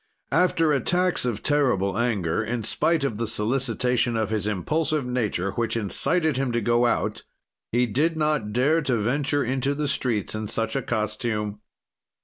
After attacks of terrible anger, in spite of the solicitation of his impulsive nature which incited him to go out, he did not dare to venture into the streets in such a costume.